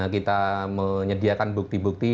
kita menyediakan bukti bukti